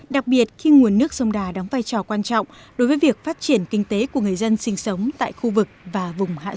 đặc biệt khi nguồn nước sông đà đóng vai trò quan trọng đối với việc phát triển kinh tế của người dân sinh sống tại khu vực và vùng hạ du